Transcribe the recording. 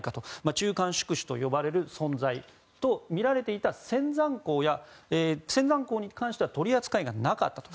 中間宿主と呼ばれる存在とみられていたセンザンコウに関しては取り扱いがなかったと。